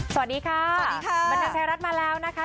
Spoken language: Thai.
สวัสดีค่ะสวัสดีค่ะบรรทางไทยรัฐมาแล้วนะคะ